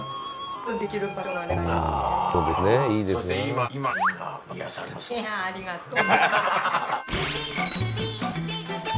はいありがとう。